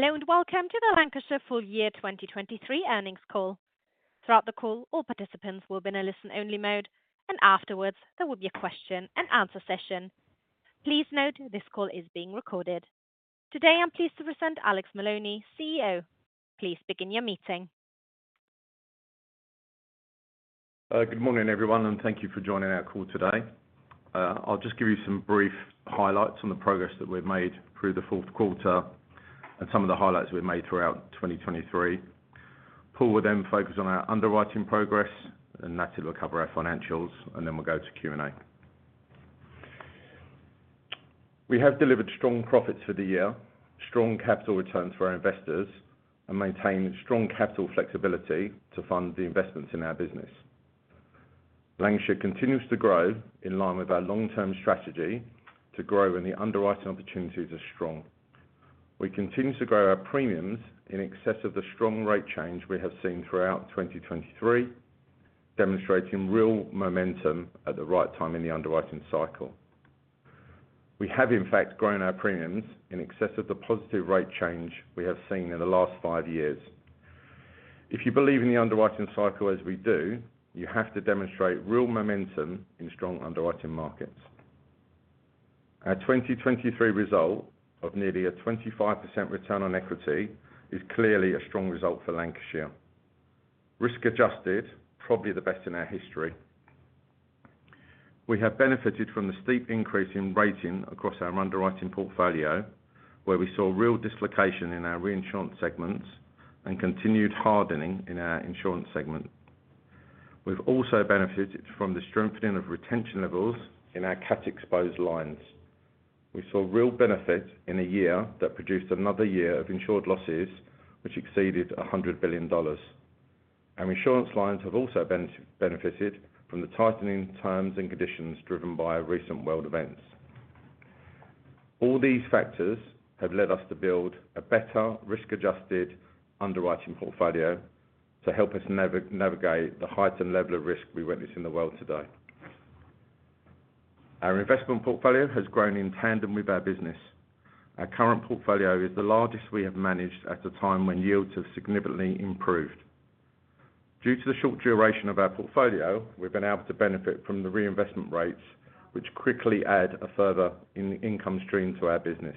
Hello and welcome to the Lancashire Full Year 2023 Earnings Call. Throughout the call, all participants will be in a listen-only mode, and afterwards there will be a question-and-answer session. Please note this call is being recorded. Today I'm pleased to present Alex Maloney, CEO. Please begin your meeting. Good morning, everyone, and thank you for joining our call today. I'll just give you some brief highlights on the progress that we've made through the fourth quarter and some of the highlights we've made throughout 2023. Paul will then focus on our underwriting progress, and Natalie will cover our financials, and then we'll go to Q&A. We have delivered strong profits for the year, strong capital returns for our investors, and maintained strong capital flexibility to fund the investments in our business. Lancashire continues to grow in line with our long-term strategy to grow when the underwriting opportunities are strong. We continue to grow our premiums in excess of the strong rate change we have seen throughout 2023, demonstrating real momentum at the right time in the underwriting cycle. We have, in fact, grown our premiums in excess of the positive rate change we have seen in the last five years. If you believe in the underwriting cycle as we do, you have to demonstrate real momentum in strong underwriting markets. Our 2023 result of nearly a 25% return on equity is clearly a strong result for Lancashire. Risk-adjusted, probably the best in our history. We have benefited from the steep increase in rating across our underwriting portfolio, where we saw real dislocation in our reinsurance segments and continued hardening in our insurance segment. We've also benefited from the strengthening of retention levels in our cat-exposed lines. We saw real benefit in a year that produced another year of insured losses which exceeded $100 billion. Insurance lines have also benefited from the tightening terms and conditions driven by recent world events. All these factors have led us to build a better risk-adjusted underwriting portfolio to help us navigate the heightened level of risk we witness in the world today. Our investment portfolio has grown in tandem with our business. Our current portfolio is the largest we have managed at a time when yields have significantly improved. Due to the short duration of our portfolio, we've been able to benefit from the reinvestment rates, which quickly add a further income stream to our business.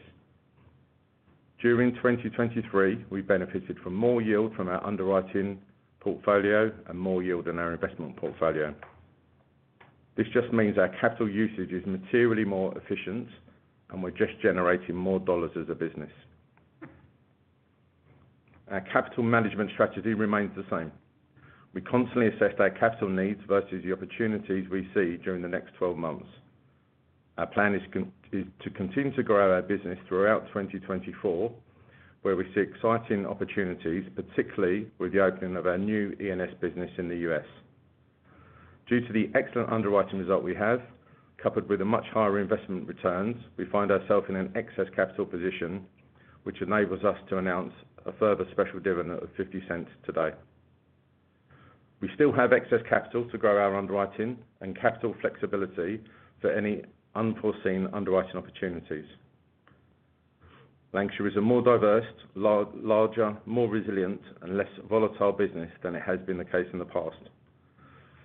During 2023, we benefited from more yield from our underwriting portfolio and more yield in our investment portfolio. This just means our capital usage is materially more efficient, and we're just generating more dollars as a business. Our capital management strategy remains the same. We constantly assess our capital needs versus the opportunities we see during the next 12 months. Our plan is to continue to grow our business throughout 2024, where we see exciting opportunities, particularly with the opening of our new E&S business in the U.S. Due to the excellent underwriting result we have, coupled with the much higher investment returns, we find ourselves in an excess capital position which enables us to announce a further special dividend of $0.50 today. We still have excess capital to grow our underwriting and capital flexibility for any unforeseen underwriting opportunities. Lancashire is a more diverse, larger, more resilient, and less volatile business than it has been the case in the past.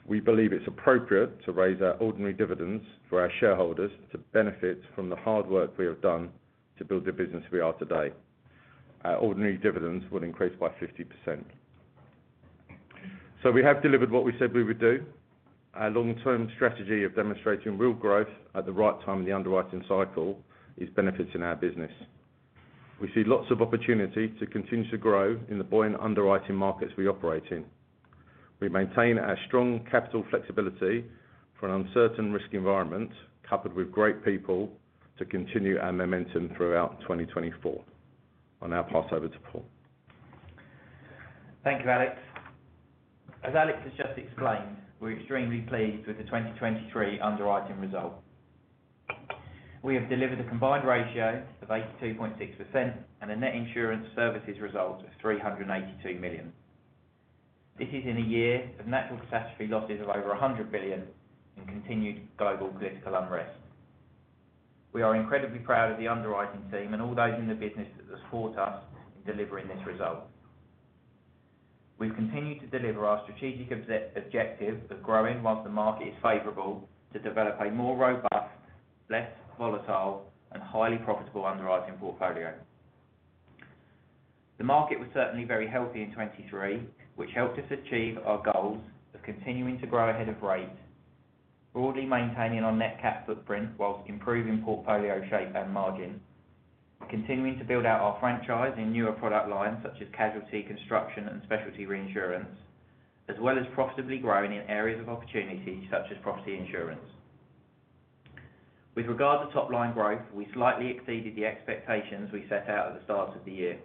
We believe it's appropriate to raise our ordinary dividends for our shareholders to benefit from the hard work we have done to build the business we are today. Our ordinary dividends would increase by 50%. We have delivered what we said we would do. Our long-term strategy of demonstrating real growth at the right time in the underwriting cycle is benefiting our business. We see lots of opportunity to continue to grow in the buoyant underwriting markets we operate in. We maintain our strong capital flexibility for an uncertain risk environment, coupled with great people to continue our momentum throughout 2024. I'll now pass over to Paul. Thank you, Alex. As Alex has just explained, we're extremely pleased with the 2023 underwriting result. We have delivered a combined ratio of 82.6% and a net insurance services result of $382 million. This is in a year of natural catastrophe losses of over $100 billion and continued global political unrest. We are incredibly proud of the underwriting team and all those in the business that have supported us in delivering this result. We've continued to deliver our strategic objective of growing while the market is favorable to develop a more robust, less volatile, and highly profitable underwriting portfolio. The market was certainly very healthy in 2023, which helped us achieve our goals of continuing to grow ahead of rate, broadly maintaining our net cat footprint while improving portfolio shape and margin, continuing to build out our franchise in newer product lines such as casualty construction and specialty reinsurance, as well as profitably growing in areas of opportunity such as property insurance. With regard to top-line growth, we slightly exceeded the expectations we set out at the start of the year.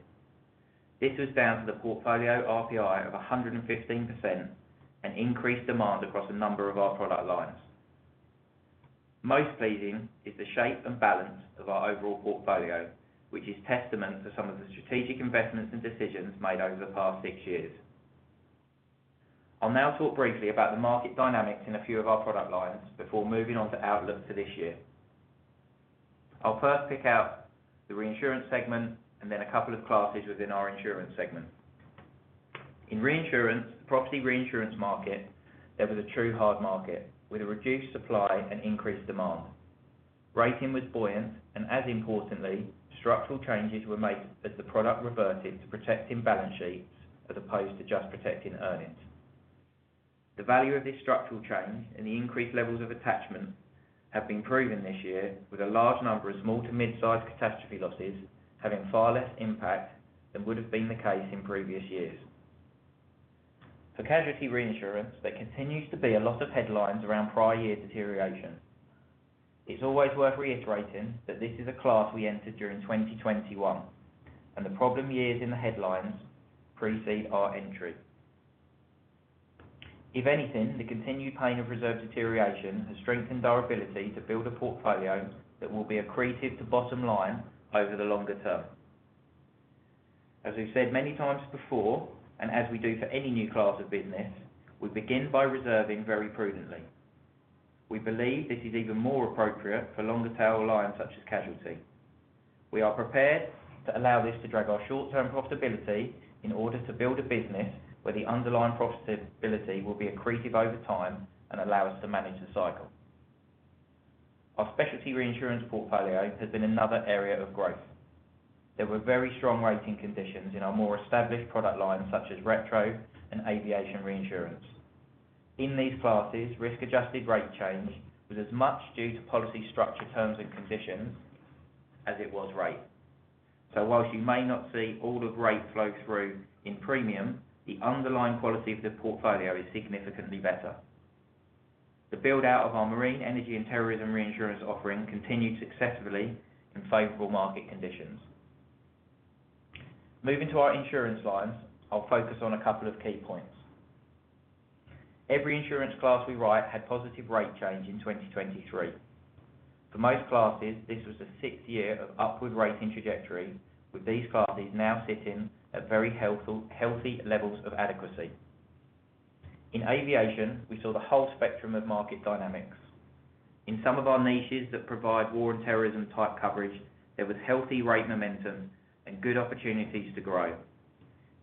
This was down to the portfolio RPI of 115% and increased demand across a number of our product lines. Most pleasing is the shape and balance of our overall portfolio, which is testament to some of the strategic investments and decisions made over the past six years. I'll now talk briefly about the market dynamics in a few of our product lines before moving on to outlook for this year. I'll first pick out the reinsurance segment and then a couple of classes within our insurance segment. In reinsurance, the property reinsurance market, there was a true hard market with a reduced supply and increased demand. Rating was buoyant, and as importantly, structural changes were made as the product reverted to protecting balance sheets as opposed to just protecting earnings. The value of this structural change and the increased levels of attachment have been proven this year, with a large number of small to mid-sized catastrophe losses having far less impact than would have been the case in previous years. For casualty reinsurance, there continues to be a lot of headlines around prior year deterioration. It's always worth reiterating that this is a class we entered during 2021, and the problem years in the headlines precede our entry. If anything, the continued pain of reserve deterioration has strengthened our ability to build a portfolio that will be accretive to bottom line over the longer term. As we've said many times before, and as we do for any new class of business, we begin by reserving very prudently. We believe this is even more appropriate for longer-tail lines such as casualty. We are prepared to allow this to drag our short-term profitability in order to build a business where the underlying profitability will be accretive over time and allow us to manage the cycle. Our specialty reinsurance portfolio has been another area of growth. There were very strong rating conditions in our more established product lines such as retro and aviation reinsurance. In these classes, risk-adjusted rate change was as much due to policy structure, terms, and conditions as it was rate. So while you may not see all of rate flow through in premium, the underlying quality of the portfolio is significantly better. The build-out of our marine energy and terrorism reinsurance offering continued successfully in favorable market conditions. Moving to our insurance lines, I'll focus on a couple of key points. Every insurance class we write had positive rate change in 2023. For most classes, this was a six-year of upward rating trajectory, with these classes now sitting at very healthy levels of adequacy. In aviation, we saw the whole spectrum of market dynamics. In some of our niches that provide war and terrorism-type coverage, there was healthy rate momentum and good opportunities to grow.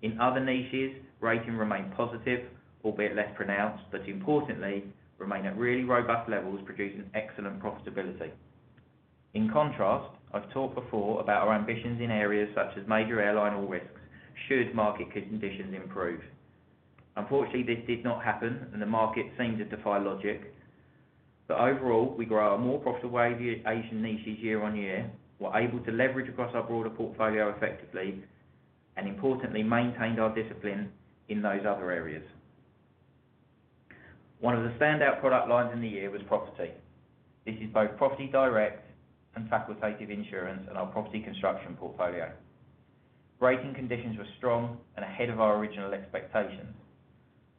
In other niches, rating remained positive, albeit less pronounced, but importantly, remained at really robust levels producing excellent profitability. In contrast, I've talked before about our ambitions in areas such as Major Airline All Risks should market conditions improve. Unfortunately, this did not happen, and the market seemed to defy logic. But overall, we grow our more profitable aviation niches year on year, were able to leverage across our broader portfolio effectively, and importantly, maintained our discipline in those other areas. One of the standout product lines in the year was Property. This is both Property Direct and Facultative insurance and our Property Construction portfolio. Rating conditions were strong and ahead of our original expectations.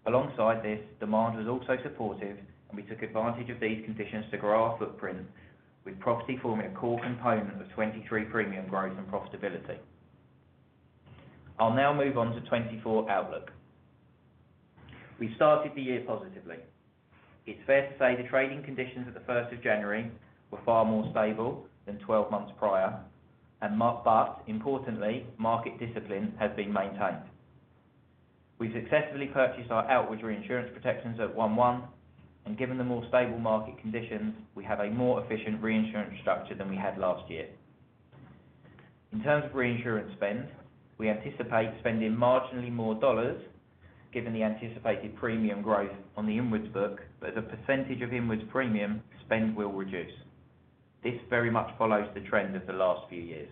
Alongside this, demand was also supportive, and we took advantage of these conditions to grow our footprint, with Property forming a core component of 2023 premium growth and profitability. I'll now move on to 2024 outlook. We started the year positively. It's fair to say the trading conditions at the 1st of January were far more stable than 12 months prior, but importantly, market discipline has been maintained. We've successfully purchased our outwards reinsurance protections at 1/1, and given the more stable market conditions, we have a more efficient reinsurance structure than we had last year. In terms of reinsurance spend, we anticipate spending marginally more dollars given the anticipated premium growth on the inwards book, but as a percentage of inwards premium, spend will reduce. This very much follows the trend of the last few years.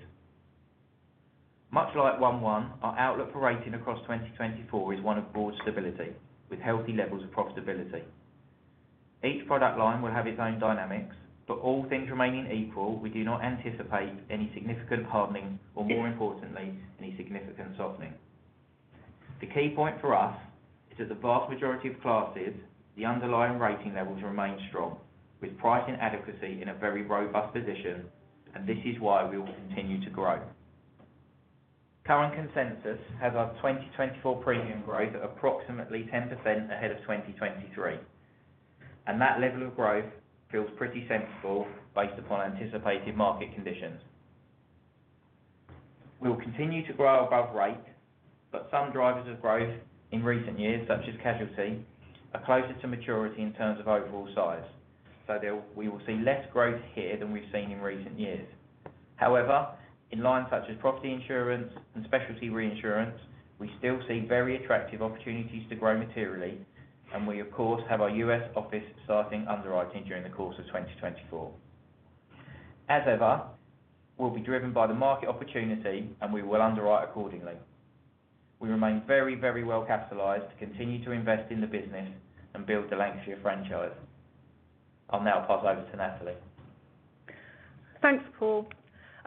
Much like 1/1, our outlook for rating across 2024 is one of broad stability with healthy levels of profitability. Each product line will have its own dynamics, but all things remaining equal, we do not anticipate any significant hardening or, more importantly, any significant softening. The key point for us is that the vast majority of classes, the underlying rating levels remain strong, with pricing adequacy in a very robust position, and this is why we will continue to grow. Current consensus has our 2024 premium growth at approximately 10% ahead of 2023, and that level of growth feels pretty sensible based upon anticipated market conditions. We'll continue to grow above rate, but some drivers of growth in recent years, such as casualty, are closer to maturity in terms of overall size. So we will see less growth here than we've seen in recent years. However, in lines such as property insurance and specialty reinsurance, we still see very attractive opportunities to grow materially, and we, of course, have our U.S. office starting underwriting during the course of 2024. As ever, we'll be driven by the market opportunity, and we will underwrite accordingly. We remain very, very well capitalized to continue to invest in the business and build the Lancashire franchise. I'll now pass over to Natalie. Thanks, Paul.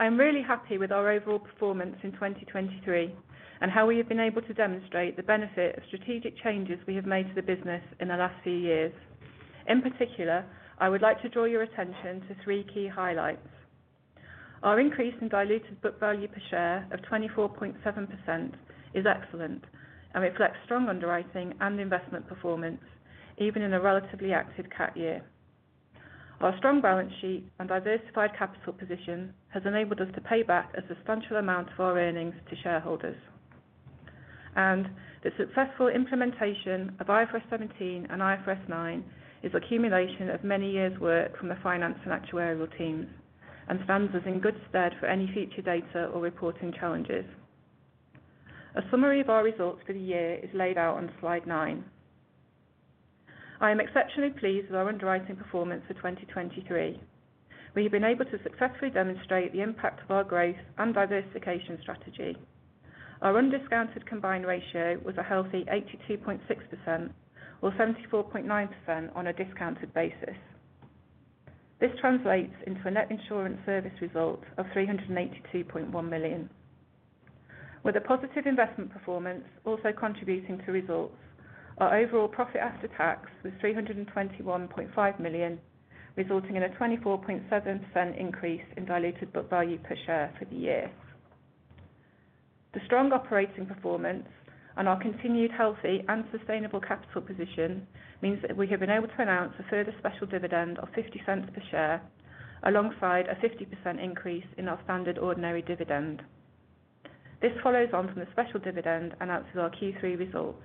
I'm really happy with our overall performance in 2023 and how we have been able to demonstrate the benefit of strategic changes we have made to the business in the last few years. In particular, I would like to draw your attention to three key highlights. Our increase in diluted book value per share of 24.7% is excellent, and reflects strong underwriting and investment performance even in a relatively active cat year. Our strong balance sheet and diversified capital position has enabled us to pay back a substantial amount of our earnings to shareholders. The successful implementation of IFRS 17 and IFRS 9 is accumulation of many years' work from the finance and actuarial teams and stands us in good stead for any future data or reporting challenges. A summary of our results for the year is laid out on slide nine. I am exceptionally pleased with our underwriting performance for 2023. We have been able to successfully demonstrate the impact of our growth and diversification strategy. Our undiscounted combined ratio was a healthy 82.6% or 74.9% on a discounted basis. This translates into a net insurance service result of $382.1 million. With a positive investment performance also contributing to results, our overall profit after tax was $321.5 million, resulting in a 24.7% increase in diluted book value per share for the year. The strong operating performance and our continued healthy and sustainable capital position means that we have been able to announce a further special dividend of $0.50 per share alongside a 50% increase in our standard ordinary dividend. This follows on from the special dividend announced with our Q3 results,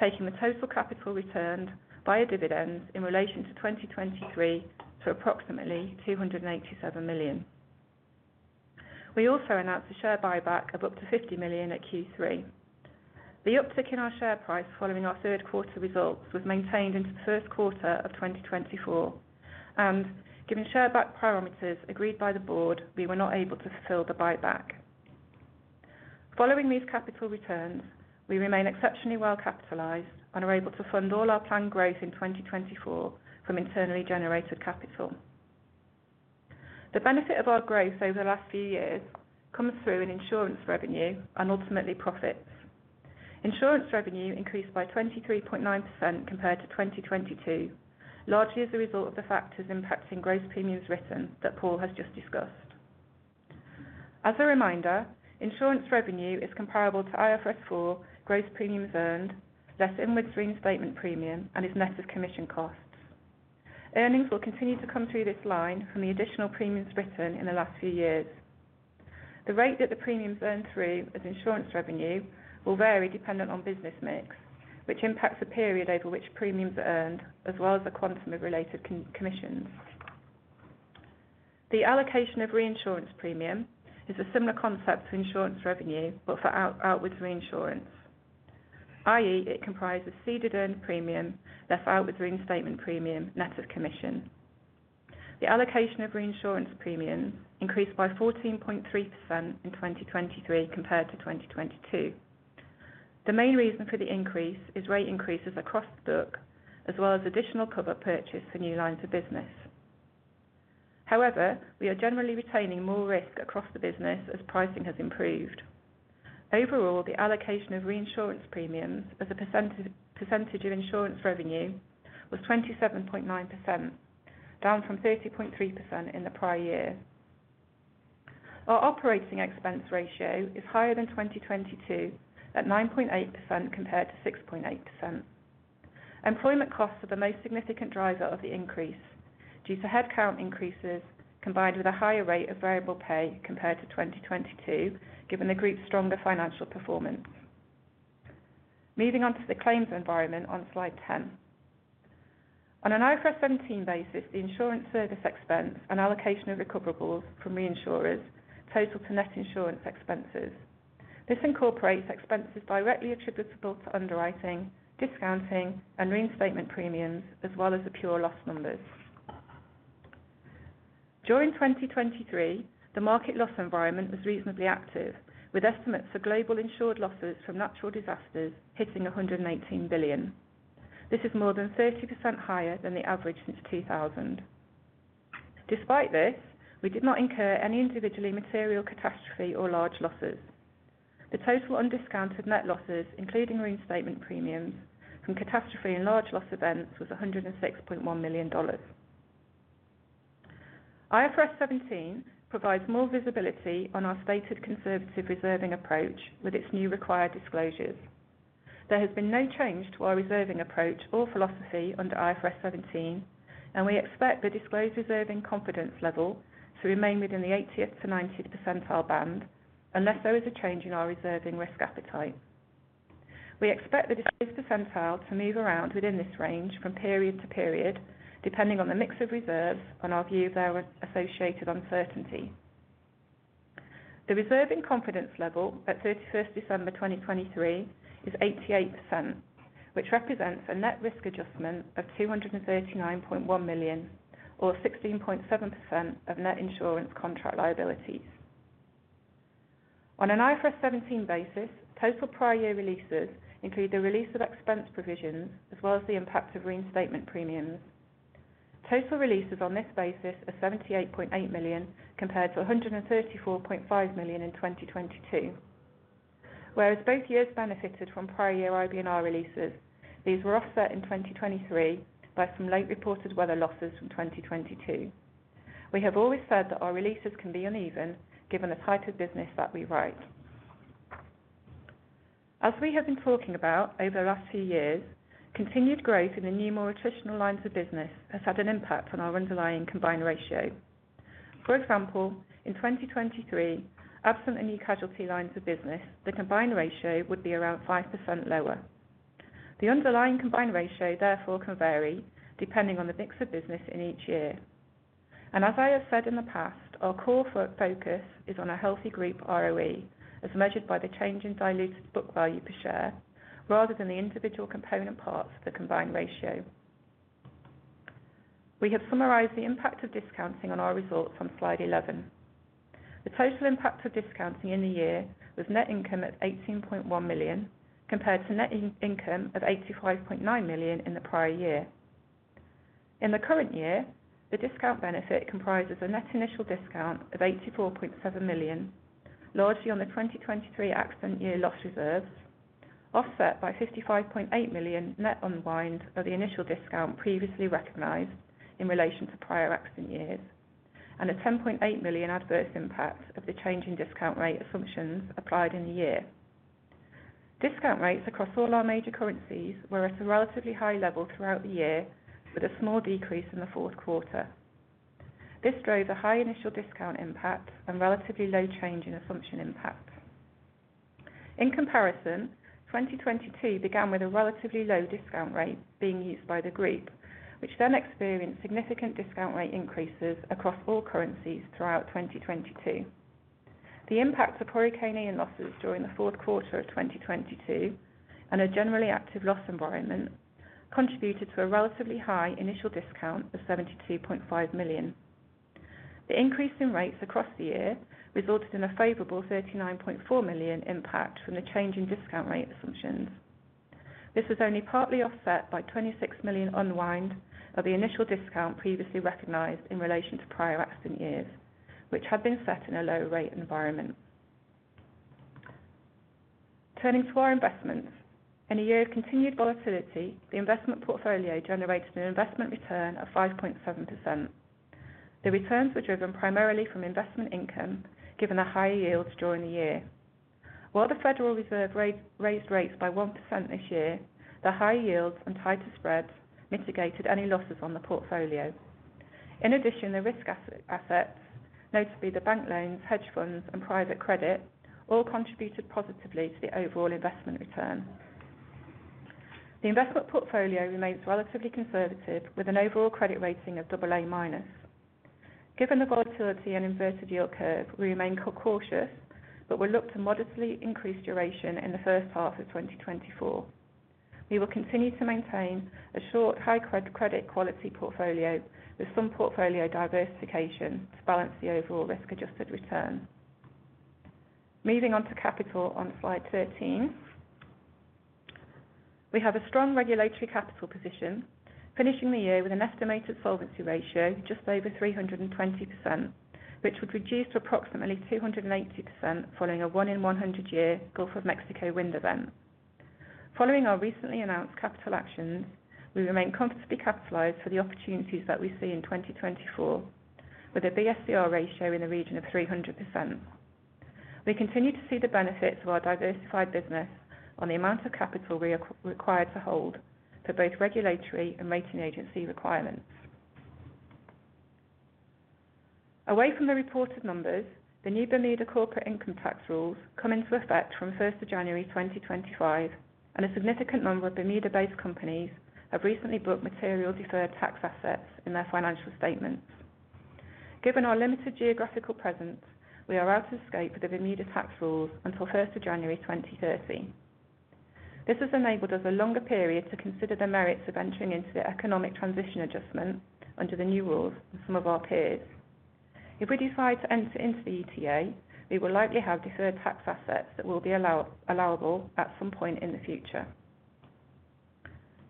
taking the total capital returned via dividends in relation to 2023 to approximately $287 million. We also announced a share buyback of up to $50 million at Q3. The uptick in our share price following our third quarter results was maintained into the first quarter of 2024, and given share buyback parameters agreed by the board, we were not able to fulfill the buyback. Following these capital returns, we remain exceptionally well capitalized and are able to fund all our planned growth in 2024 from internally generated capital. The benefit of our growth over the last few years comes through in insurance revenue and ultimately profits. Insurance revenue increased by 23.9% compared to 2022, largely as a result of the factors impacting gross premiums written that Paul has just discussed. As a reminder, insurance revenue is comparable to IFRS 4 gross premiums earned, less inwards reinstatement premium, and is net of commission costs. Earnings will continue to come through this line from the additional premiums written in the last few years. The rate that the premiums earn through as insurance revenue will vary dependent on business mix, which impacts the period over which premiums are earned as well as the quantum of related commissions. The allocation of reinsurance premium is a similar concept to insurance revenue but for outwards reinsurance, i.e., it comprises ceded earned premium, less outwards reinstatement premium, net of commission. The allocation of reinsurance premiums increased by 14.3% in 2023 compared to 2022. The main reason for the increase is rate increases across the book as well as additional cover purchase for new lines of business. However, we are generally retaining more risk across the business as pricing has improved. Overall, the allocation of reinsurance premiums as a percentage of insurance revenue was 27.9%, down from 30.3% in the prior year. Our operating expense ratio is higher than 2022 at 9.8% compared to 6.8%. Employment costs are the most significant driver of the increase due to headcount increases combined with a higher rate of variable pay compared to 2022 given the group's stronger financial performance. Moving on to the claims environment on slide 10. On an IFRS 17 basis, the insurance service expense and allocation of recoverables from reinsurers total to net insurance expenses. This incorporates expenses directly attributable to underwriting, discounting, and reinstatement premiums as well as the pure loss numbers. During 2023, the market loss environment was reasonably active, with estimates for global insured losses from natural disasters hitting $118 billion. This is more than 30% higher than the average since 2000. Despite this, we did not incur any individually material catastrophe or large losses. The total undiscounted net losses, including reinstatement premiums from catastrophe and large loss events, was $106.1 million. IFRS 17 provides more visibility on our stated conservative reserving approach with its new required disclosures. There has been no change to our reserving approach or philosophy under IFRS 17, and we expect the disclosed reserving confidence level to remain within the 80th to 90th percentile band unless there is a change in our reserving risk appetite. We expect the disclosed percentile to move around within this range from period to period depending on the mix of reserves and our view of their associated uncertainty. The reserving confidence level at 31st December 2023 is 88%, which represents a net risk adjustment of $239.1 million or 16.7% of net insurance contract liabilities. On an IFRS 17 basis, total prior year releases include the release of expense provisions as well as the impact of reinstatement premiums. Total releases on this basis are $78.8 million compared to $134.5 million in 2022. Whereas both years benefited from prior year IBNR releases, these were offset in 2023 by some late-reported weather losses from 2022. We have always said that our releases can be uneven given the type of business that we write. As we have been talking about over the last few years, continued growth in the new more attritional lines of business has had an impact on our underlying combined ratio. For example, in 2023, absent the new casualty lines of business, the combined ratio would be around 5% lower. The underlying combined ratio, therefore, can vary depending on the mix of business in each year. As I have said in the past, our core focus is on a healthy group ROE as measured by the change in diluted book value per share rather than the individual component parts of the combined ratio. We have summarised the impact of discounting on our results on Slide 11. The total impact of discounting in the year was net income of $18.1 million compared to net income of $85.9 million in the prior year. In the current year, the discount benefit comprises a net initial discount of $84.7 million, largely on the 2023 accident year loss reserves, offset by $55.8 million net unwind of the initial discount previously recognised in relation to prior accident years, and a $10.8 million adverse impact of the change in discount rate assumptions applied in the year. Discount rates across all our major currencies were at a relatively high level throughout the year with a small decrease in the fourth quarter. This drove a high initial discount impact and relatively low change in assumption impact. In comparison, 2022 began with a relatively low discount rate being used by the group, which then experienced significant discount rate increases across all currencies throughout 2022. The impact of Hurricane Ian in losses during the fourth quarter of 2022 and a generally active loss environment contributed to a relatively high initial discount of $72.5 million. The increase in rates across the year resulted in a favorable $39.4 million impact from the change in discount rate assumptions. This was only partly offset by $26 million unwind of the initial discount previously recognized in relation to prior accident years, which had been set in a lower rate environment. Turning to our investments, in a year of continued volatility, the investment portfolio generated an investment return of 5.7%. The returns were driven primarily from investment income given the higher yields during the year. While the Federal Reserve raised rates by 1% this year, the higher yields and tighter spreads mitigated any losses on the portfolio. In addition, the risk assets, notably the bank loans, hedge funds, and private credit, all contributed positively to the overall investment return. The investment portfolio remains relatively conservative with an overall credit rating of AA minus. Given the volatility and inverted yield curve, we remain cautious but will look to modestly increase duration in the first half of 2024. We will continue to maintain a short high-credit quality portfolio with some portfolio diversification to balance the overall risk-adjusted return. Moving on to capital on slide 13. We have a strong regulatory capital position finishing the year with an estimated solvency ratio just over 320%, which would reduce to approximately 280% following a 1-in-100-year Gulf of Mexico wind event. Following our recently announced capital actions, we remain comfortably capitalized for the opportunities that we see in 2024 with a BSCR ratio in the region of 300%. We continue to see the benefits of our diversified business on the amount of capital required to hold for both regulatory and rating agency requirements. Away from the reported numbers, the new Bermuda corporate income tax rules come into effect from 1st January 2025, and a significant number of Bermuda-based companies have recently booked material deferred tax assets in their financial statements. Given our limited geographical presence, we are out of scope with the Bermuda tax rules until 1st January 2030. This has enabled us a longer period to consider the merits of entering into the Economic Transition Adjustment under the new rules and some of our peers. If we decide to enter into the ETA, we will likely have Deferred Tax Assets that will be allowable at some point in the future.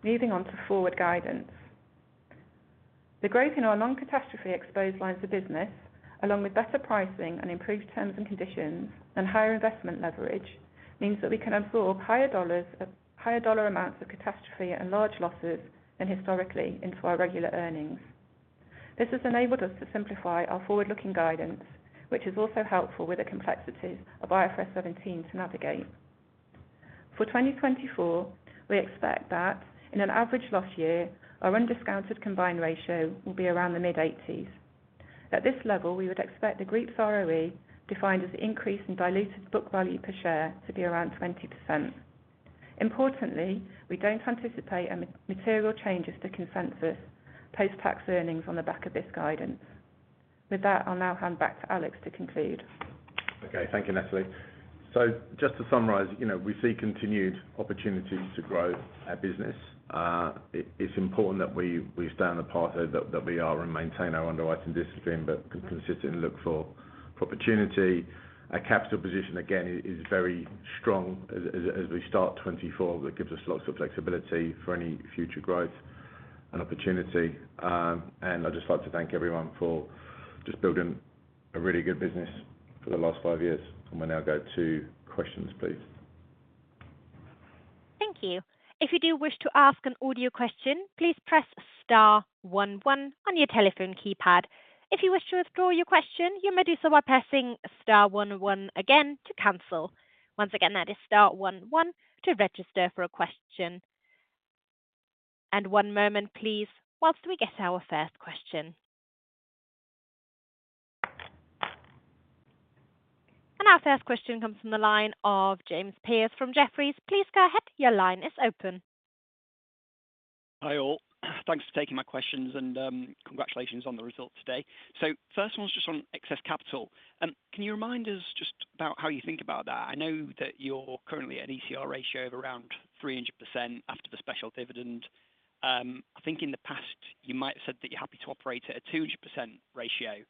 Moving on to forward guidance. The growth in our non-catastrophe exposed lines of business, along with better pricing and improved terms and conditions and higher investment leverage, means that we can absorb higher dollar amounts of catastrophe and large losses than historically into our regular earnings. This has enabled us to simplify our forward-looking guidance, which is also helpful with the complexities of IFRS 17 to navigate. For 2024, we expect that in an average loss year, our undiscounted Combined Ratio will be around the mid-80s. At this level, we would expect the group's ROE defined as the increase in diluted book value per share to be around 20%. Importantly, we don't anticipate material changes to consensus post-tax earnings on the back of this guidance. With that, I'll now hand back to Alex to conclude. Okay. Thank you, Natalie. So just to summarise, we see continued opportunities to grow our business. It's important that we stay on the path that we are and maintain our underwriting discipline but consistently look for opportunity. Our capital position, again, is very strong as we start 2024. That gives us lots of flexibility for any future growth and opportunity. And I'd just like to thank everyone for just building a really good business for the last five years. And we'll now go to questions, please. Thank you. If you do wish to ask an audio question, please press star 11 on your telephone keypad. If you wish to withdraw your question, you may do so by pressing star 11 again to cancel. Once again, that is star 11 to register for a question. One moment, please, whilst we get our first question. Our first question comes from the line of James Pearce from Jefferies. Please go ahead. Your line is open. Hi all. Thanks for taking my questions and congratulations on the results today. So first one's just on excess capital. Can you remind us just about how you think about that? I know that you're currently at an ECR ratio of around 300% after the special dividend. I think in the past, you might have said that you're happy to operate at a 200% ratio.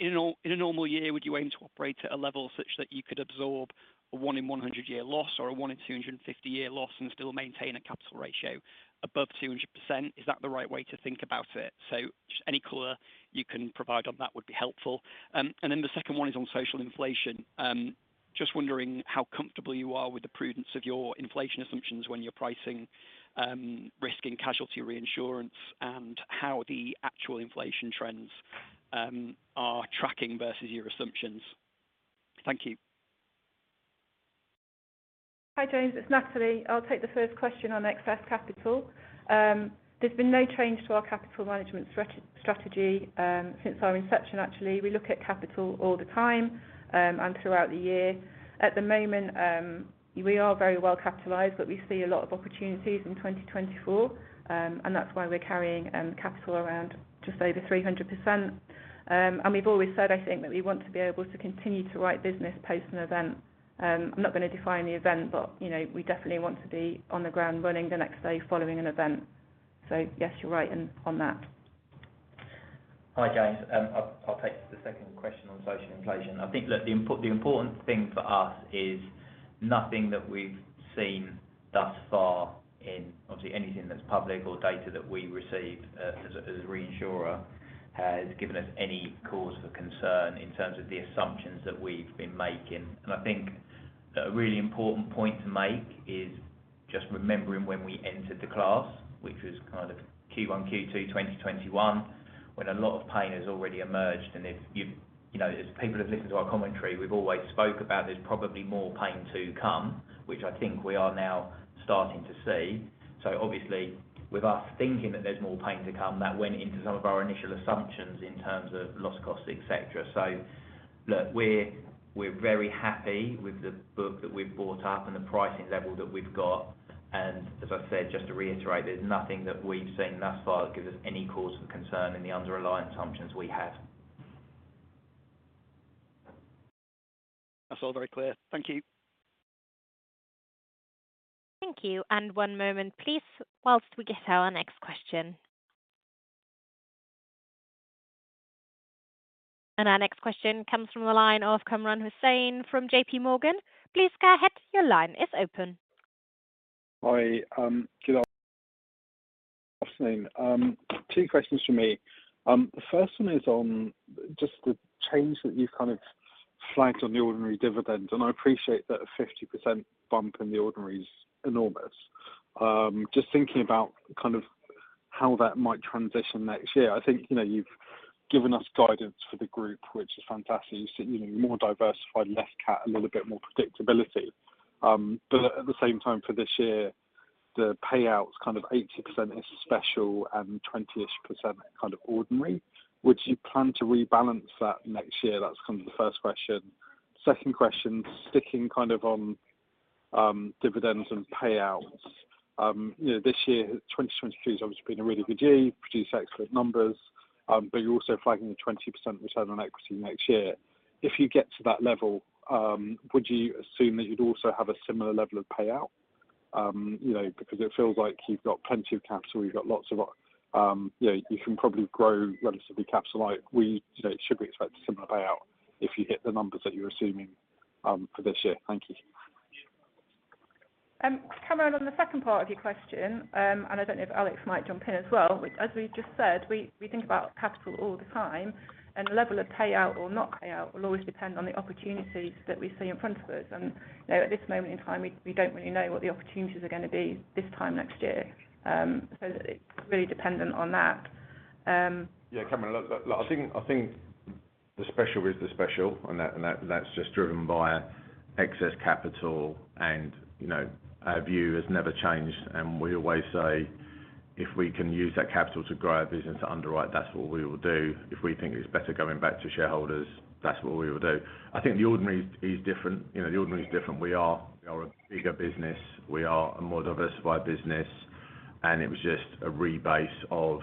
In a normal year, would you aim to operate at a level such that you could absorb a one-in-100-year loss or a one-in-250-year loss and still maintain a capital ratio above 200%? Is that the right way to think about it? So just any color you can provide on that would be helpful. And then the second one is on social inflation. Just wondering how comfortable you are with the prudence of your inflation assumptions when you're pricing risk and casualty reinsurance and how the actual inflation trends are tracking versus your assumptions. Thank you. Hi James. It's Natalie. I'll take the first question on excess capital. There's been no change to our capital management strategy since our inception, actually. We look at capital all the time and throughout the year. At the moment, we are very well capitalized, but we see a lot of opportunities in 2024, and that's why we're carrying capital around just over 300%. And we've always said, I think, that we want to be able to continue to write business post an event. I'm not going to define the event, but we definitely want to be on the ground running the next day following an event. So yes, you're right on that. Hi James. I'll take the second question on social inflation. I think, look, the important thing for us is nothing that we've seen thus far in, obviously, anything that's public or data that we receive as a reinsurer has given us any cause for concern in terms of the assumptions that we've been making. And I think a really important point to make is just remembering when we entered the class, which was kind of Q1, Q2 2021, when a lot of pain has already emerged. And as people have listened to our commentary, we've always spoke about there's probably more pain to come, which I think we are now starting to see. So obviously, with us thinking that there's more pain to come, that went into some of our initial assumptions in terms of loss costs, etc. Look, we're very happy with the book that we've brought up and the pricing level that we've got. As I said, just to reiterate, there's nothing that we've seen thus far that gives us any cause for concern in the underlying assumptions we have. That's all very clear. Thank you. Thank you. And one moment, please, whilst we get our next question. And our next question comes from the line of Kamran Hossain from J.P. Morgan. Please go ahead. Your line is open. Hi. Good afternoon. 2 questions from me. The first one is on just the change that you've kind of flagged on the ordinary dividend. And I appreciate that a 50% bump in the ordinary is enormous. Just thinking about kind of how that might transition next year, I think you've given us guidance for the group, which is fantastic. You said more diversified, less cat, a little bit more predictability. But at the same time, for this year, the payouts, kind of 80% is special and 20-ish% kind of ordinary. Would you plan to rebalance that next year? That's kind of the first question. Second question, sticking kind of on dividends and payouts. This year, 2023 has obviously been a really good year, produced excellent numbers, but you're also flagging a 20% return on equity next year. If you get to that level, would you assume that you'd also have a similar level of payout? Because it feels like you've got plenty of capital. You've got lots of you can probably grow relatively capitalized. Should we expect a similar payout if you hit the numbers that you're assuming for this year? Thank you. Kamran, on the second part of your question, and I don't know if Alex might jump in as well, as we just said, we think about capital all the time, and the level of payout or not payout will always depend on the opportunities that we see in front of us. At this moment in time, we don't really know what the opportunities are going to be this time next year. It's really dependent on that. Yeah, Kamran, look, I think the special is the special, and that's just driven by excess capital. And our view has never changed. And we always say, if we can use that capital to grow our business, underwrite, that's what we will do. If we think it's better going back to shareholders, that's what we will do. I think the ordinary is different. The ordinary is different. We are a bigger business. We are a more diversified business. And it was just a rebase of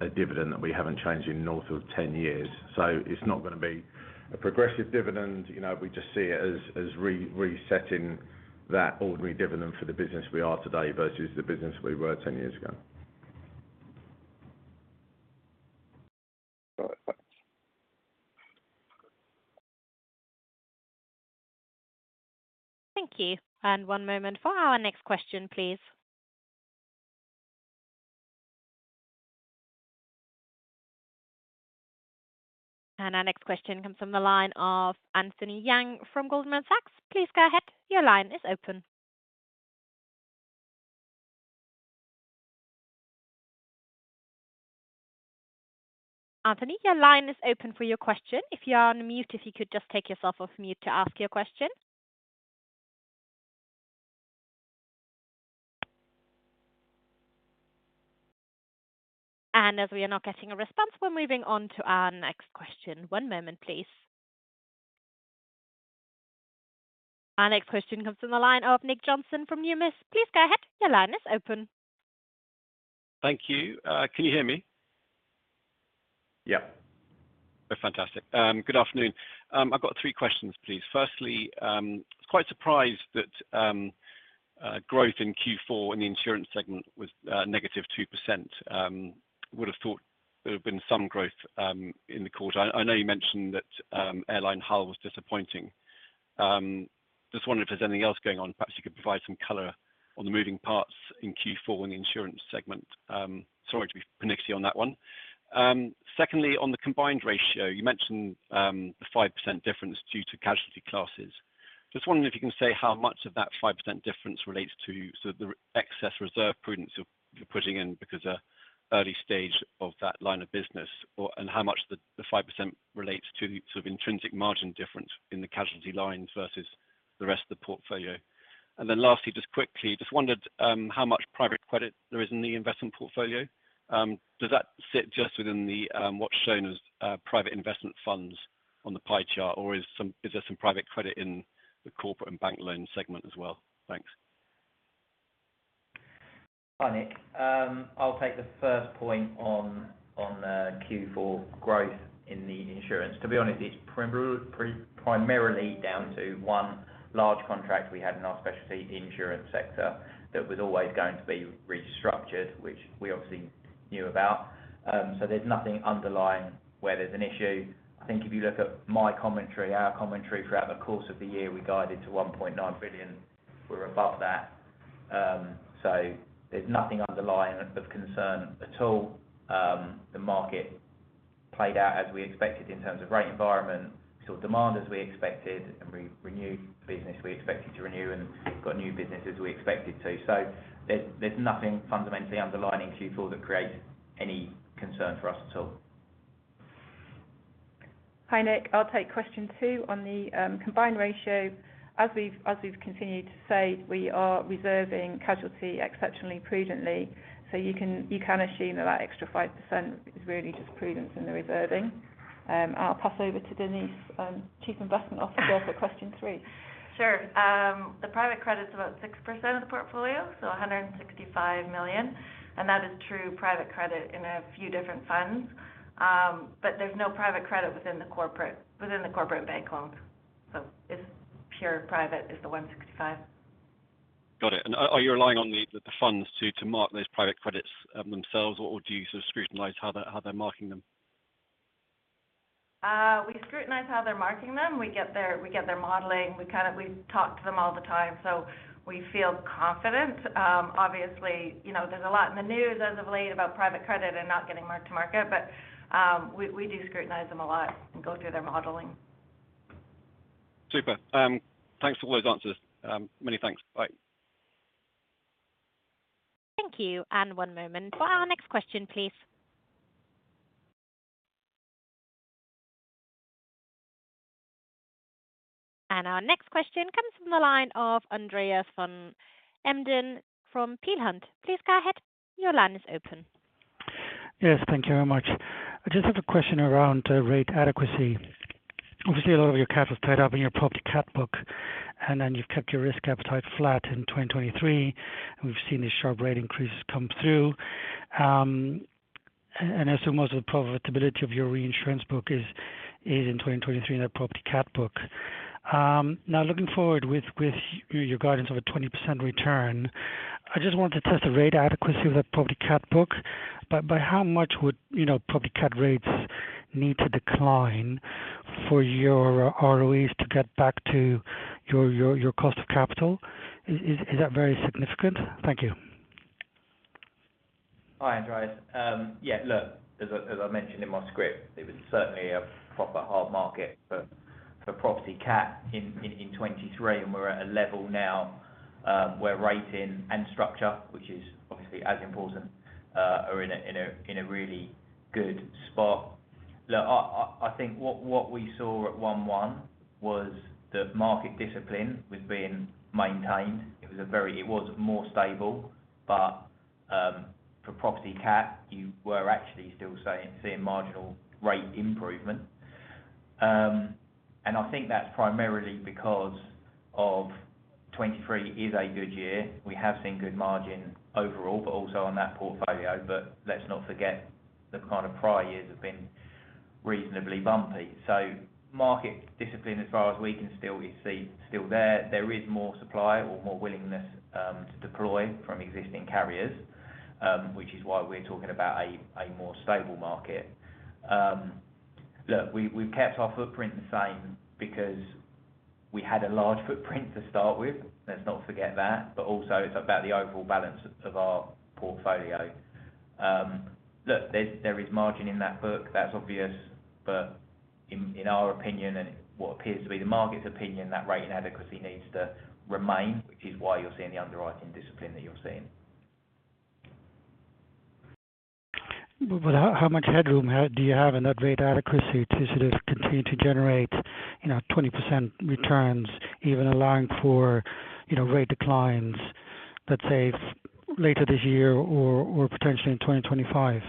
a dividend that we haven't changed in north of 10 years. So it's not going to be a progressive dividend. We just see it as resetting that ordinary dividend for the business we are today versus the business we were 10 years ago. Thank you. One moment for our next question, please. Our next question comes from the line of Anthony Yang from Goldman Sachs. Please go ahead. Your line is open. Anthony, your line is open for your question. If you are on mute, if you could just take yourself off mute to ask your question. As we are not getting a response, we're moving on to our next question. One moment, please. Our next question comes from the line of Nick Johnson from Numis. Please go ahead. Your line is open. Thank you. Can you hear me? Yeah. Fantastic. Good afternoon. I've got three questions, please. Firstly, I was quite surprised that growth in Q4 in the insurance segment was negative 2%. Would have thought there would have been some growth in the quarter. I know you mentioned that airline hull was disappointing. Just wondered if there's anything else going on, perhaps you could provide some color on the moving parts in Q4 in the insurance segment. Sorry to be pernicious on that one. Secondly, on the combined ratio, you mentioned the 5% difference due to casualty classes. Just wondering if you can say how much of that 5% difference relates to sort of the excess reserve prudence you're putting in because of early stage of that line of business, and how much the 5% relates to sort of intrinsic margin difference in the casualty lines versus the rest of the portfolio. And then lastly, just quickly, just wondered how much private credit there is in the investment portfolio. Does that sit just within what's shown as private investment funds on the pie chart, or is there some private credit in the corporate and bank loan segment as well? Thanks. Hi, Nick. I'll take the first point on Q4 growth in the insurance. To be honest, it's primarily down to one large contract we had in our specialty insurance sector that was always going to be restructured, which we obviously knew about. So there's nothing underlying where there's an issue. I think if you look at my commentary, our commentary throughout the course of the year, we guided to $1.9 billion. We're above that. So there's nothing underlying of concern at all. The market played out as we expected in terms of rate environment. We saw demand as we expected, and we renewed business we expected to renew, and got new business as we expected to. So there's nothing fundamentally underlying Q4 that creates any concern for us at all. Hi Nick. I'll take question two on the Combined Ratio. As we've continued to say, we are reserving casualty exceptionally prudently. So you can assume that that extra 5% is really just prudence in the reserving. I'll pass over to Denise, Chief Investment Officer, for question three. Sure. The private credit's about 6% of the portfolio, so $165 million. And that is true private credit in a few different funds. But there's no private credit within the corporate and bank loans. So it's pure private is the 165. Got it. Are you relying on the funds to mark those private credits themselves, or do you sort of scrutinize how they're marking them? We scrutinize how they're marking them. We get their modeling. We talk to them all the time, so we feel confident. Obviously, there's a lot in the news as of late about private credit and not getting marked to market, but we do scrutinize them a lot and go through their modeling. Super. Thanks for all those answers. Many thanks. Bye. Thank you. One moment for our next question, please. Our next question comes from the line of Andreas van Embden from Peel Hunt. Please go ahead. Your line is open. Yes. Thank you very much. I just have a question around rate adequacy. Obviously, a lot of your capital's tied up in your property catbook, and then you've kept your risk appetite flat in 2023. We've seen these sharp rate increases come through. And I assume most of the profitability of your reinsurance book is in 2023 in that property catbook. Now, looking forward with your guidance of a 20% return, I just wanted to test the rate adequacy of that property catbook. But by how much would property cat rates need to decline for your ROEs to get back to your cost of capital? Is that very significant? Thank you. Hi, Andreas. Yeah, look, as I mentioned in my script, it was certainly a proper hard market for property cat in 2023, and we're at a level now where rating and structure, which is obviously as important, are in a really good spot. Look, I think what we saw at 1.1 was that market discipline was being maintained. It was more stable. But for property cat, you were actually still seeing marginal rate improvement. And I think that's primarily because 2023 is a good year. We have seen good margin overall, but also on that portfolio. But let's not forget the kind of prior years have been reasonably bumpy. So market discipline, as far as we can see, is still there. There is more supply or more willingness to deploy from existing carriers, which is why we're talking about a more stable market. Look, we've kept our footprint the same because we had a large footprint to start with. Let's not forget that. But also, it's about the overall balance of our portfolio. Look, there is margin in that book. That's obvious. But in our opinion, and what appears to be the market's opinion, that rating adequacy needs to remain, which is why you're seeing the underwriting discipline that you're seeing. But how much headroom do you have in that rate adequacy to sort of continue to generate 20% returns, even allowing for rate declines, let's say, later this year or potentially in 2025?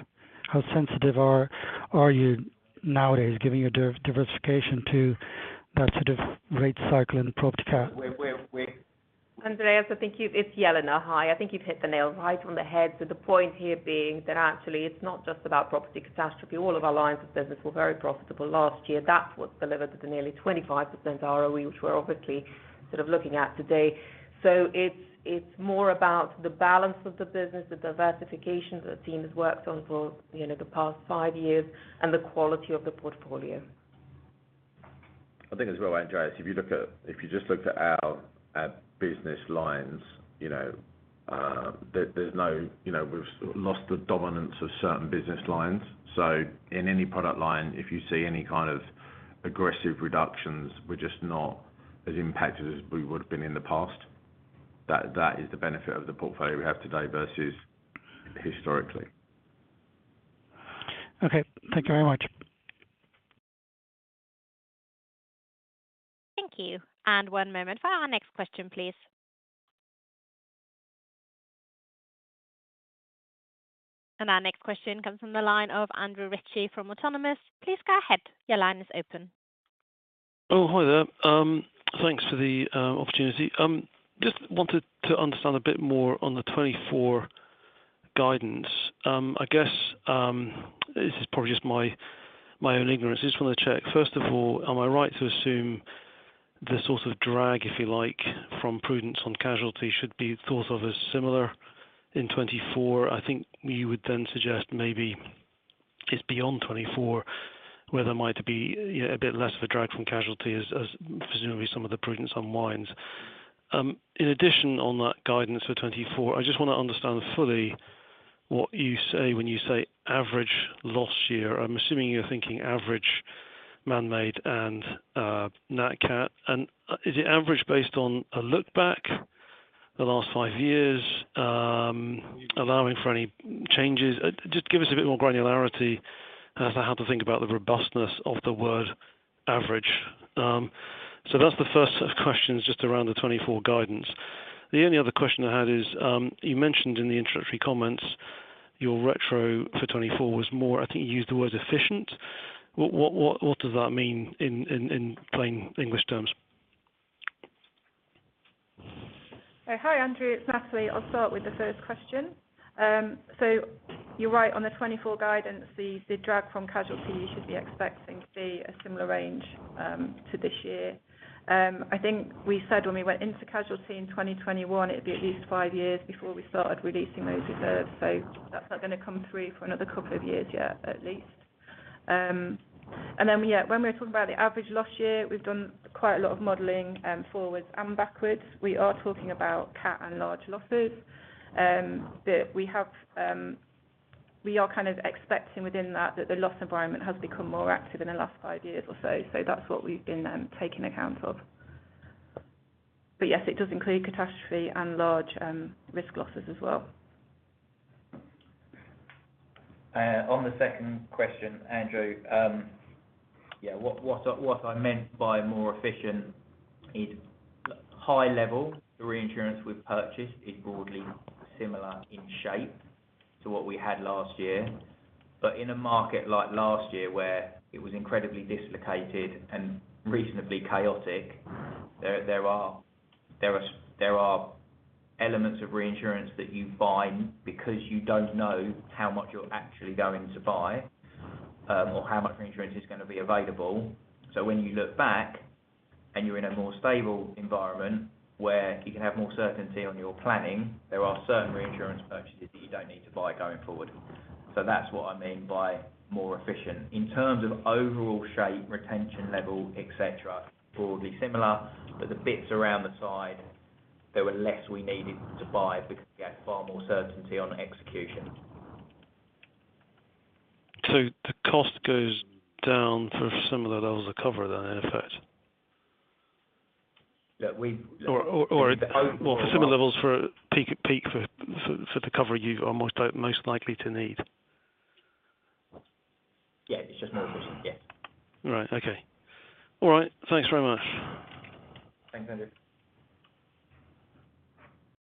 How sensitive are you nowadays, given your diversification, to that sort of rate cycle in property cat? Andreas, I think it's Jelena. Hi. I think you've hit the nail right on the head. So the point here being that actually, it's not just about property catastrophe. All of our lines of business were very profitable last year. That's what's delivered the nearly 25% ROE, which we're obviously sort of looking at today. So it's more about the balance of the business, the diversification that the team has worked on for the past five years, and the quality of the portfolio. I think as well, Andreas, if you just look at our business lines, there's no, we've lost the dominance of certain business lines. So in any product line, if you see any kind of aggressive reductions, we're just not as impacted as we would have been in the past. That is the benefit of the portfolio we have today versus historically. Okay. Thank you very much. Thank you. One moment for our next question, please. Our next question comes from the line of Andrew Ricci from Autonomous. Please go ahead. Your line is open. Oh, hi there. Thanks for the opportunity. Just wanted to understand a bit more on the 2024 guidance. I guess this is probably just my own ignorance. I just wanted to check. First of all, am I right to assume the sort of drag, if you like, from prudence on casualty should be thought of as similar in 2024? I think you would then suggest maybe it's beyond 2024 where there might be a bit less of a drag from casualty, as presumably some of the prudence unwinds. In addition, on that guidance for 2024, I just want to understand fully what you say when you say average loss year. I'm assuming you're thinking average manmade and nat cat. And is it average based on a lookback, the last five years, allowing for any changes? Just give us a bit more granularity as to how to think about the robustness of the weighted average. So that's the first set of questions just around the 2024 guidance. The only other question I had is you mentioned in the introductory comments your retro for 2024 was more I think you used the word efficient. What does that mean in plain English terms? Hi, Andreas. It's Natalie. I'll start with the first question. So you're right. On the 2024 guidance, the drag from casualty, you should be expecting to be a similar range to this year. I think we said when we went into casualty in 2021, it'd be at least five years before we started releasing those reserves. So that's not going to come through for another couple of years yet, at least. And then, yeah, when we were talking about the average loss year, we've done quite a lot of modeling forwards and backwards. We are talking about cat and large losses. But we are kind of expecting within that that the loss environment has become more active in the last five years or so. So that's what we've been taking account of. But yes, it does include catastrophe and large risk losses as well. On the second question, Andrew, yeah, what I meant by more efficient is high-level. The reinsurance we've purchased is broadly similar in shape to what we had last year. But in a market like last year, where it was incredibly dislocated and reasonably chaotic, there are elements of reinsurance that you buy because you don't know how much you're actually going to buy or how much reinsurance is going to be available. So when you look back and you're in a more stable environment where you can have more certainty on your planning, there are certain reinsurance purchases that you don't need to buy going forward. So that's what I mean by more efficient. In terms of overall shape, retention level, etc., broadly similar. But the bits around the side, there were less we needed to buy because we had far more certainty on execution. So the cost goes down for similar levels of cover then, in effect? Look, we. Or for similar levels for peak for the cover you are most likely to need? Yeah. It's just more efficient. Yes. Right. Okay. All right. Thanks very much. Thanks, Andrew.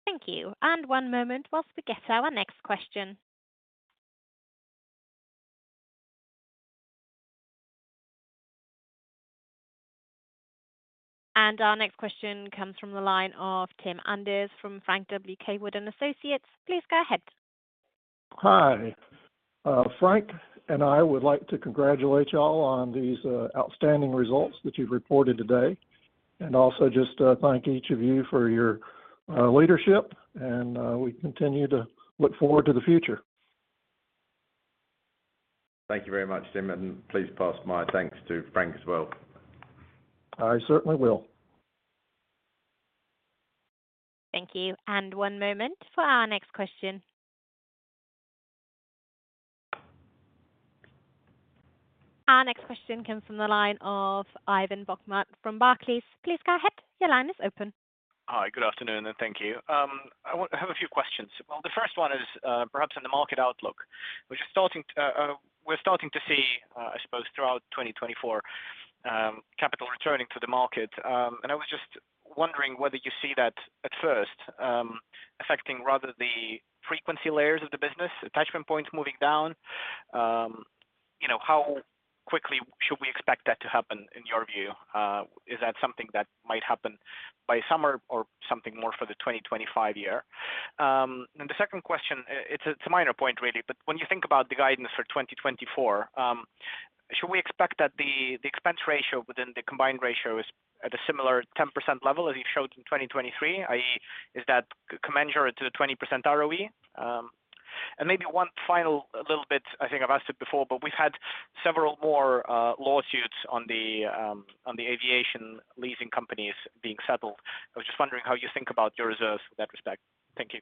Thank you. One moment whilst we get to our next question. Our next question comes from the line of Tim Anders from Frank W. Cawood & Associates. Please go ahead. Hi. Frank and I would like to congratulate y'all on these outstanding results that you've reported today. And also just thank each of you for your leadership. And we continue to look forward to the future. Thank you very much, Tim. Please pass my thanks to Frank as well. I certainly will. Thank you. And one moment for our next question. Our next question comes from the line of Ivan Bokhmat from Barclays. Please go ahead. Your line is open. Hi. Good afternoon, and thank you. I have a few questions. Well, the first one is perhaps in the market outlook. We're starting to see, I suppose, throughout 2024, capital returning to the market. And I was just wondering whether you see that at first affecting rather the frequency layers of the business, attachment points moving down. How quickly should we expect that to happen, in your view? Is that something that might happen by summer or something more for the 2025 year? And the second question, it's a minor point, really. But when you think about the guidance for 2024, should we expect that the expense ratio within the combined ratio is at a similar 10% level as you showed in 2023? i.e., is that commensurate to the 20% ROE? And maybe one final little bit. I think I've asked it before, but we've had several more lawsuits on the aviation leasing companies being settled. I was just wondering how you think about your reserves with that respect? Thank you.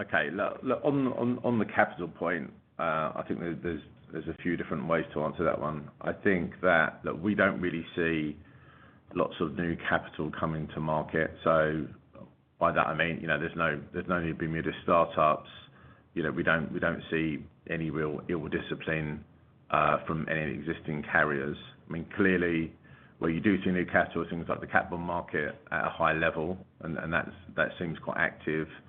Okay. Look, on the capital point, I think there's a few different ways to answer that one. I think that we don't really see lots of new capital coming to market. So by that, I mean, there's no new Bermuda startups. We don't see any real ill-discipline from any existing carriers. I mean, clearly, where you do see new capital is things like the capital markets at a high level, and that seems quite active. But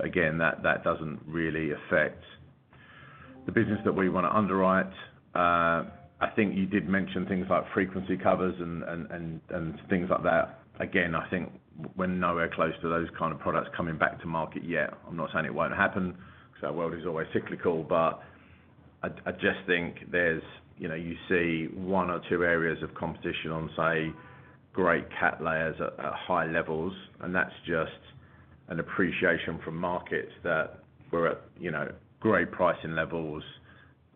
again, that doesn't really affect the business that we want to underwrite. I think you did mention things like frequency covers and things like that. Again, I think we're nowhere close to those kind of products coming back to market yet. I'm not saying it won't happen because our world is always cyclical. But I just think you see one or two areas of competition on, say, great cat layers at high levels. And that's just an appreciation from markets that we're at great pricing levels,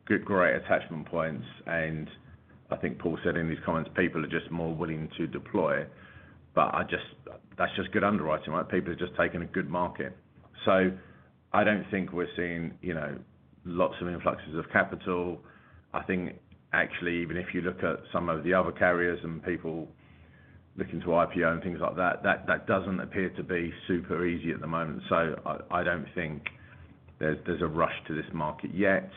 great attachment points. And I think Paul said in these comments, people are just more willing to deploy. But that's just good underwriting, right? People have just taken a good market. So I don't think we're seeing lots of influxes of capital. I think actually, even if you look at some of the other carriers and people looking to IPO and things like that, that doesn't appear to be super easy at the moment. So I don't think there's a rush to this market yet.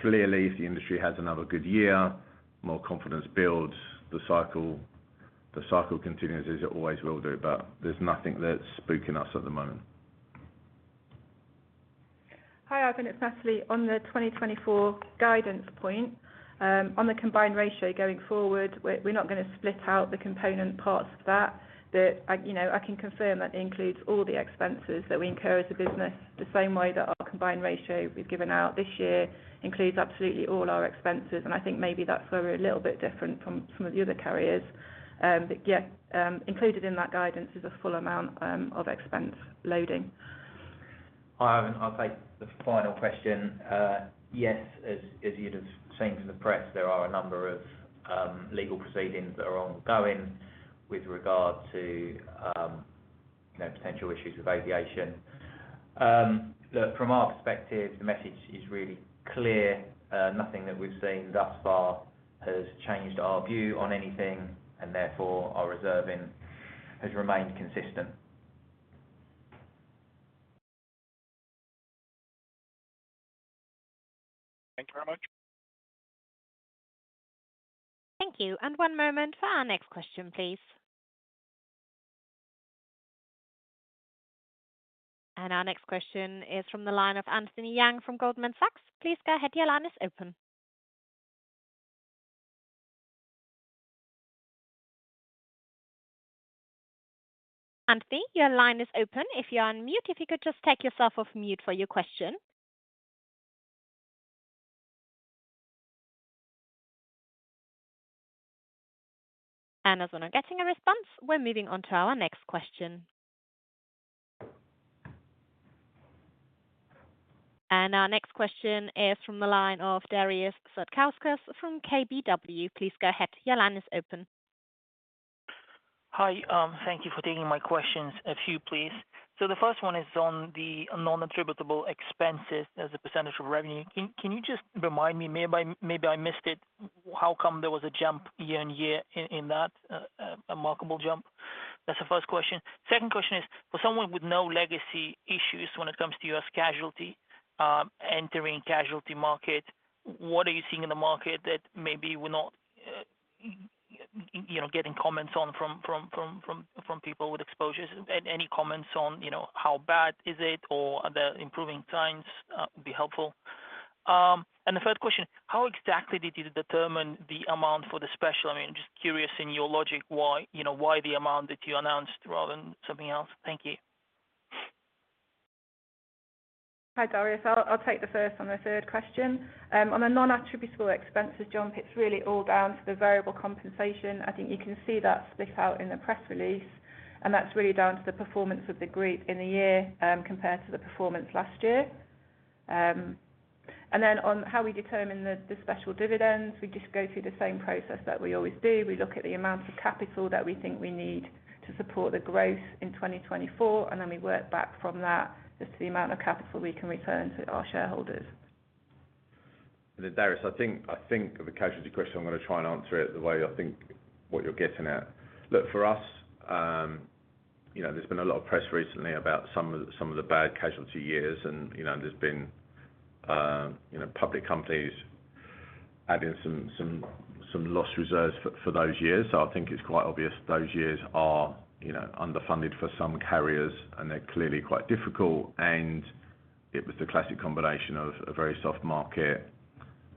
Clearly, if the industry has another good year, more confidence builds, the cycle continues as it always will do. But there's nothing that's spooking us at the moment. Hi, Ivan. It's Natalie. On the 2024 guidance point, on the combined ratio going forward, we're not going to split out the component parts of that. But I can confirm that includes all the expenses that we incur as a business the same way that our combined ratio we've given out this year includes absolutely all our expenses. And I think maybe that's where we're a little bit different from some of the other carriers. But yeah, included in that guidance is a full amount of expense loading. Hi, Ivan. I'll take the final question. Yes, as you'd have seen from the press, there are a number of legal proceedings that are ongoing with regard to potential issues with aviation. Look, from our perspective, the message is really clear. Nothing that we've seen thus far has changed our view on anything. Therefore, our reserving has remained consistent. Thank you very much. Thank you. One moment for our next question, please. Our next question is from the line of Anthony Yang from Goldman Sachs. Please go ahead. Your line is open. Anthony, your line is open. If you're on mute, if you could just take yourself off mute for your question. As we're not getting a response, we're moving on to our next question. Our next question is from the line of Darius Satkauskas from KBW. Please go ahead. Your line is open. Hi. Thank you for taking my questions, a few, please. So the first one is on the non-attributable expenses as a percentage of revenue. Can you just remind me? Maybe I missed it. How come there was a jump year-on-year in that, a remarkable jump? That's the first question. Second question is, for someone with no legacy issues when it comes to U.S. casualty, entering casualty market, what are you seeing in the market that maybe we're not getting comments on from people with exposures? Any comments on how bad is it, or are there improving signs? It would be helpful. And the third question, how exactly did you determine the amount for the special? I mean, just curious in your logic, why the amount that you announced rather than something else? Thank you. Hi, Darius. I'll take the first on the third question. On the non-attributable expenses, John, it's really all down to the variable compensation. I think you can see that split out in the press release. And that's really down to the performance of the group in the year compared to the performance last year. And then on how we determine the special dividends, we just go through the same process that we always do. We look at the amount of capital that we think we need to support the growth in 2024, and then we work back from that as to the amount of capital we can return to our shareholders. Darius, I think of a casualty question. I'm going to try and answer it the way I think what you're getting at. Look, for us, there's been a lot of press recently about some of the bad casualty years. And there's been public companies adding some loss reserves for those years. So I think it's quite obvious those years are underfunded for some carriers, and they're clearly quite difficult. And it was the classic combination of a very soft market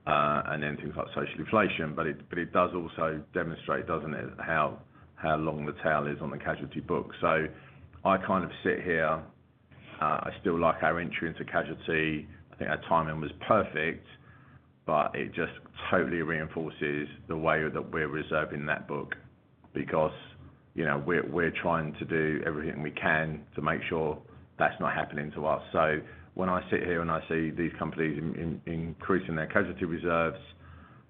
and then things like social inflation. But it does also demonstrate, doesn't it, how long the tail is on the casualty book? So I kind of sit here. I still like our entry into casualty. I think our timing was perfect. But it just totally reinforces the way that we're reserving that book because we're trying to do everything we can to make sure that's not happening to us. So when I sit here and I see these companies increasing their casualty reserves,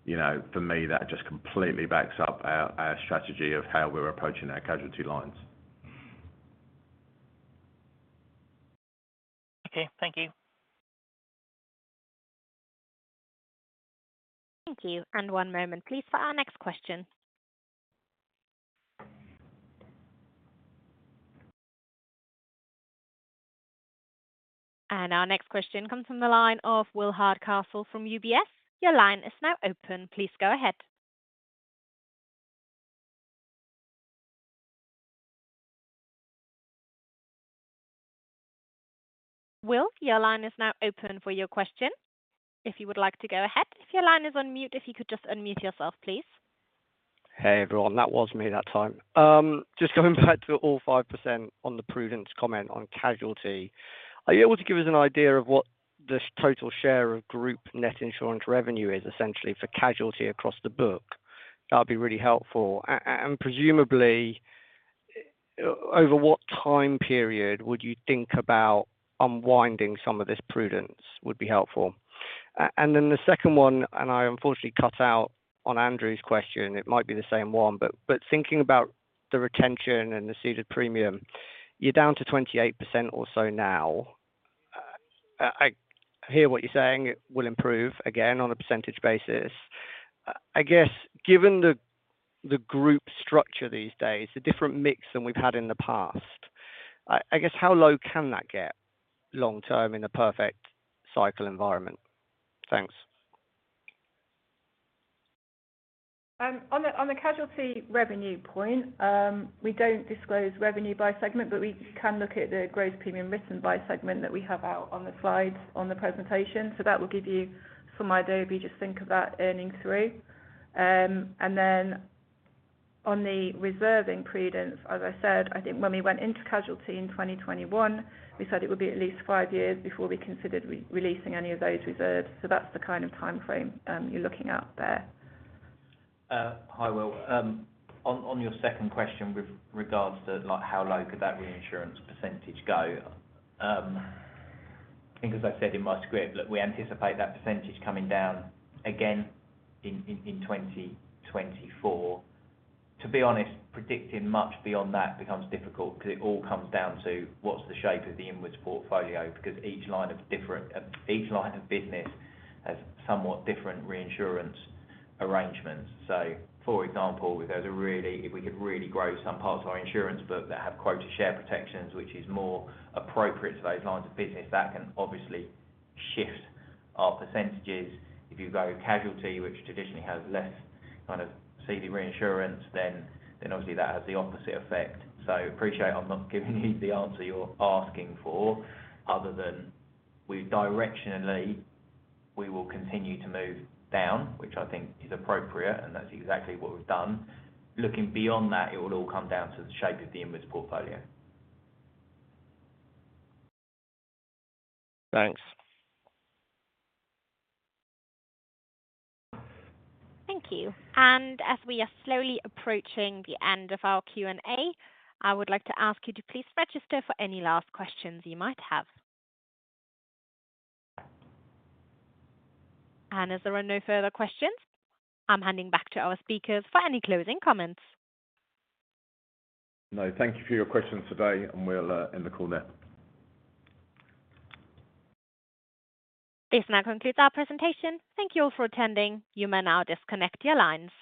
for me, that just completely backs up our strategy of how we're approaching our casualty lines. Okay. Thank you. Thank you. One moment, please, for our next question. Our next question comes from the line of Will Hardcastle from UBS. Your line is now open. Please go ahead. Will, your line is now open for your question. If you would like to go ahead. If your line is on mute, if you could just unmute yourself, please. Hey, everyone. That was me that time. Just going back to all 5% on the prudence comment on casualty, are you able to give us an idea of what the total share of group net insurance revenue is, essentially, for casualty across the book? That would be really helpful. And presumably, over what time period would you think about unwinding some of this prudence would be helpful. And then the second one, and I unfortunately cut out on Andrew's question. It might be the same one. But thinking about the retention and the ceded premium, you're down to 28% or so now. I hear what you're saying. It will improve again on a percentage basis. I guess given the group structure these days, the different mix than we've had in the past, I guess how low can that get long-term in a perfect cycle environment? Thanks. On the casualty revenue point, we don't disclose revenue by segment, but we can look at the gross premium written by segment that we have out on the slides on the presentation. So that will give you some idea if you just think of that earning through. And then on the reserving prudence, as I said, I think when we went into casualty in 2021, we said it would be at least five years before we considered releasing any of those reserves. So that's the kind of timeframe you're looking at there. Hi, Will. On your second question with regards to how low could that reinsurance percentage go, I think as I said in my script, look, we anticipate that percentage coming down again in 2024. To be honest, predicting much beyond that becomes difficult because it all comes down to what's the shape of the inwards portfolio because each line of business has somewhat different reinsurance arrangements. So for example, if we could really grow some parts of our insurance book that have quota share protections, which is more appropriate to those lines of business, that can obviously shift our percentages. If you go casualty, which traditionally has less kind of ceded reinsurance, then obviously, that has the opposite effect. I appreciate I'm not giving you the answer you're asking for other than directionally, we will continue to move down, which I think is appropriate, and that's exactly what we've done. Looking beyond that, it will all come down to the shape of the inwards portfolio. Thanks. Thank you. As we are slowly approaching the end of our Q&A, I would like to ask you to please register for any last questions you might have. As there are no further questions, I'm handing back to our speakers for any closing comments. No. Thank you for your questions today, and we'll end the call now. This now concludes our presentation. Thank you all for attending. You may now disconnect your lines.